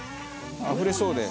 あふれそうで。